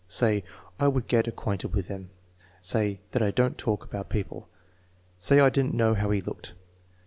"Say I would get acquainted with them." "Say that I don't talk about people." "Say I did n't know how he looked."